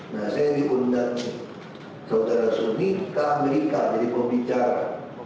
nah saya diundang saudara suni ke amerika jadi pembicara